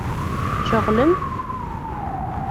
Tceɣlemt?